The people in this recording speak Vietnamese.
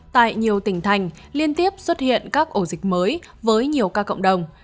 tại nhiều tỉnh thành liên tiếp xuất hiện các ổ dịch mới với nhiều ca cộng đồng